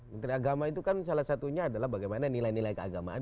menteri agama itu kan salah satunya adalah bagaimana nilai nilai keagamaan